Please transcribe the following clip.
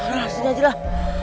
rasain aja lah